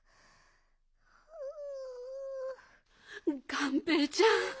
がんぺーちゃん。